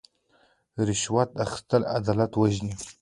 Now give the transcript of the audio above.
رشوت اخیستل عدالت وژني.